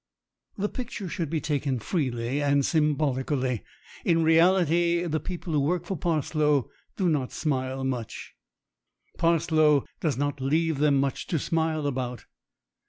The picture should be taken freely and symbolically; in reality, the people who work for Parslow do not smile much ; Par slow does not leave them much to smile about.